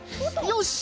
よし！